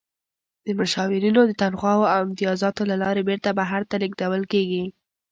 د مشاورینو د تنخواوو او امتیازاتو له لارې بیرته بهر ته لیږدول کیږي.